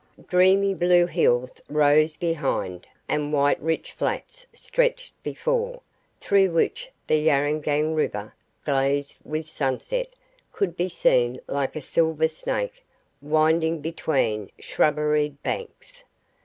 Dreamy blue hills rose behind, and wide rich flats stretched before, through which the Yarrangung river, glazed with sunset, could be seen like a silver snake winding between shrubberied banks.